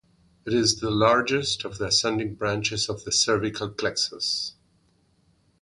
It is the largest of the ascending branches of the cervical plexus.